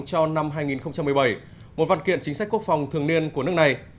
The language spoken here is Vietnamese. cho năm hai nghìn một mươi bảy một văn kiện chính sách quốc phòng thường niên của nước này